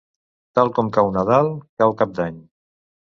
Tal com cau Nadal, cau Cap d'Any.